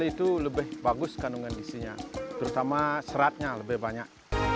itu lebih bagus kandungan gisinya terutama seratnya lebih banyak